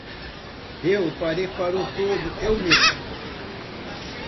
Eu parei para o todo eu mesmo.